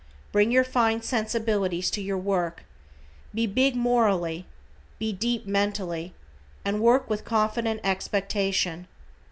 Bring your fine sensibilities to your work, be big morally, be deep mentally, and work with confident expectation.